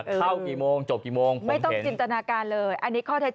เข้ากี่โมงจบกี่โมงไม่ต้องจินตนาการเลยอันนี้ข้อเท็จจริง